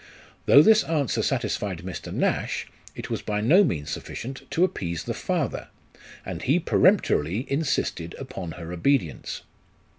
Though this answer satisfied Mr. Nash, it was by no means sufficient to appease the father ; and he peremptorily insisted upon her obedience.